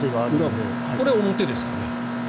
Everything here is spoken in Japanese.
これ、表ですかね。